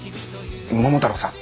桃太郎さん。